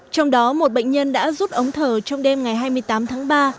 trong đó một bệnh nhân đã rút ống thở trong đêm ngày hai mươi tám tháng ba